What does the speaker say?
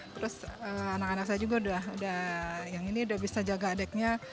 terus anak anak saya juga udah yang ini udah bisa jaga adiknya